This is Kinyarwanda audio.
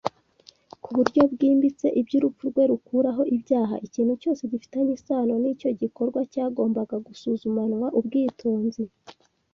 ku buryo bwimbitse iby'urupfu rwe rukuraho ibyaha. Ikintu cyose gifitanye isano n'icyo gikorwa cyagombaga gusuzumanwa ubwitonzi